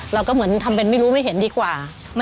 เราก็เหมือนทำเป็นไม่รู้ไม่เห็นดีกว่า